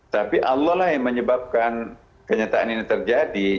tapi allah lah yang menyebabkan kenyataan ini terjadi